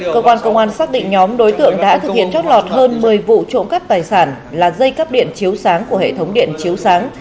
cơ quan công an xác định nhóm đối tượng đã thực hiện trót lọt hơn một mươi vụ trộm cắp tài sản là dây cắp điện chiếu sáng của hệ thống điện chiếu sáng